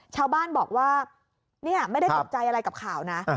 ชาวบ้านบอกว่าไม่ได้ตกใจอะไรกับข่าวนะ